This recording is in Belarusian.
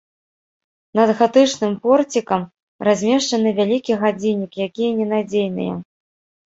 Над гатычным порцікам размешчаны вялікі гадзіннік, якія ненадзейныя.